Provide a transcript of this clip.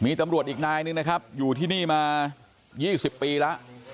มีตำรวจอีกนายนึงนะครับอยู่ที่นี่มา๒๐ปีแล้ว